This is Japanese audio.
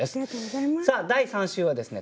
さあ第３週はですね